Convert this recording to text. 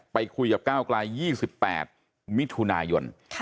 ไปคุยกับก้าวกลาย๒๘มิถุนายน